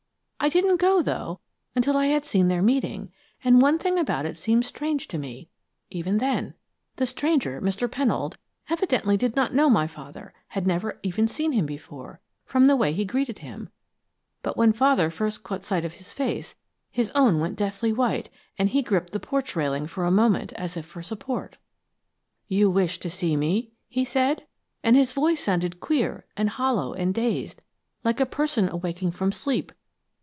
I didn't go, though, until I had seen their meeting, and one thing about it seemed strange to me, even then. The stranger, Mr. Pennold, evidently did not know my father, had never even seen him before, from the way he greeted him, but when Father first caught sight of his face, his own went deathly white and he gripped the porch railing for a moment, as if for support. "'You wished to see me?' he said, and his voice sounded queer and hollow and dazed, like a person awaking from sleep.